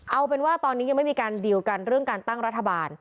เอาเป็นว่าตอนนี้ยังไม่มีการดีลกันเรื่องการตั้งรัฐบาล